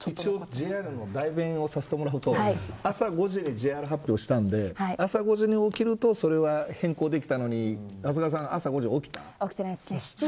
一応ＪＲを代弁させてもらうと朝５時にＪＲ発表したので朝５時に起きると変更できたのに長谷川さん、朝５時に起きた。